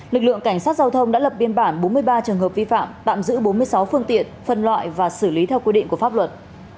lực lượng cảnh sát giao thông đã lập biên bản bốn mươi ba trường hợp vi phạm tạm giữ bốn mươi sáu phương tiện phân loại và xử lý theo quy định của pháp luật